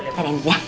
ntar ya ndudya